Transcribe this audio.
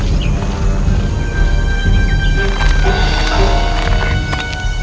aku akan mencari panggilan ilario